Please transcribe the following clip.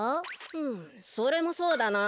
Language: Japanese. うむそれもそうだな。